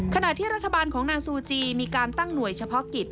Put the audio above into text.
ขณะที่รัฐบาลของนางซูจีมีการตั้งหน่วยเฉพาะกิจ